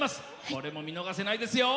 これも見逃せないですよ。